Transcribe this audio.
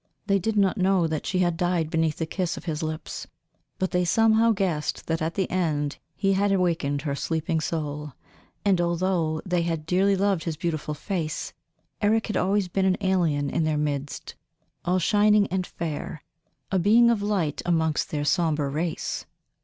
They did not know that she had died beneath the kiss of his lips, but they somehow guessed that at the end he had awakened her sleeping soul; and although they had dearly loved his beautiful face, Eric had always been an alien in their midst, all shining and fair, a being of light amongst their sombre race.